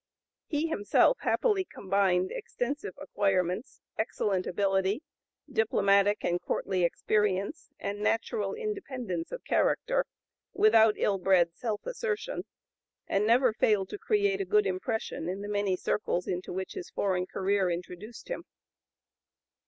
He himself happily combined extensive acquirements, excellent ability, diplomatic and courtly experience, and natural independence of character without ill bred self assertion, and never failed to create a good impression in the many circles into which his foreign career introduced him.